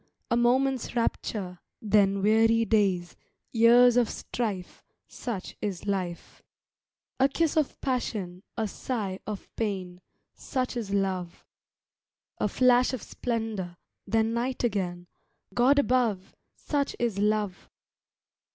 A moment's rapture, then weary days, Years of strife, Such is life. A kiss of passion, a sigh of pain, Such is love. A flash of splendour, then night again, God above, Such is love!